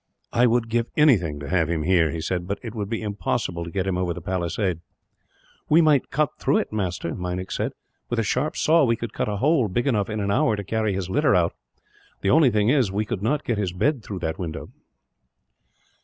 "I would give anything to have him here," he said; "but it would be impossible to get him over the palisade." "We might cut through it, master," Meinik said. "With a sharp saw we could cut a hole big enough, in an hour, to carry his litter out. The only thing is, we could not get his bed through that window."